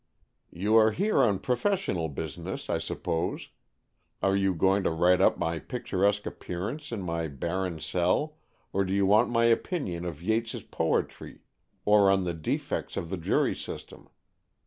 "You are here on professional business, I suppose. Are you going to write up my picturesque appearance in my barren cell, or do you want my opinion of Yeats' poetry or on the defects of the jury system?